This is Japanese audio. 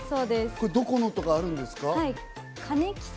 どこのとかあるんですか？